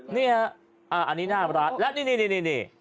นี่ฮะอันนี้น่ารักและนี่